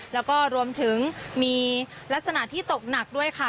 แล้วก็รวมถึงมีลักษณะที่ตกหนักด้วยค่ะ